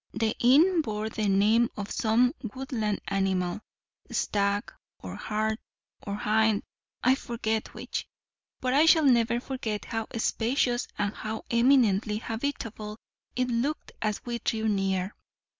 The inn bore the name of some woodland animal, stag, or hart, or hind, I forget which. But I shall never forget how spacious and how eminently habitable it looked as we drew near.